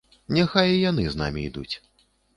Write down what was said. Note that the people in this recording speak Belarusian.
Няхай і яны з намі ідуць.